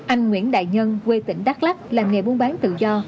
anh nguyễn đại nhân quê tỉnh đắk lắc làm nghề buôn bán tự do